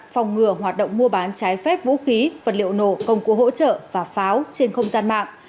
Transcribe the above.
phòng ngừa hoạt động mua bán trái phép vũ khí vật liệu nổ công cụ hỗ trợ và pháo trên không gian mạng